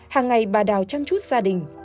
hàng ngày bà đào chăm chút gia đình